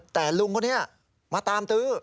แต่ลุงคนนี้มาตามตื้อ